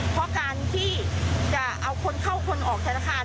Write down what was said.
เพราะการที่จะเอาคนเข้าคนออกธนาคาร